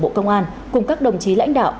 bộ công an cùng các đồng chí lãnh đạo